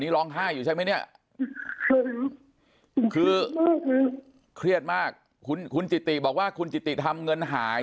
ล้อนไห้ใช่หม่ะคือเครียดมากคุณจิตตีบอกว่าคุณจิตตีทำเงินหาย